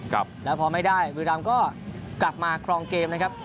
ครับแล้วพอไม่ได้บุรีรำก็กลับมาครองเกมนะครับ